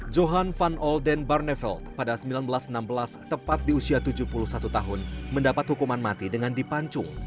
johan van olden barnevelt pada seribu sembilan ratus enam belas tepat di usia tujuh puluh satu tahun mendapat hukuman mati dengan dipancung